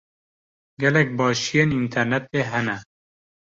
Gelek başiyên înternetê hene.